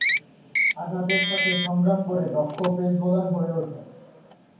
আঘাতের সাথে সংগ্রাম করে দক্ষ পেস বোলার হয়ে উঠেন।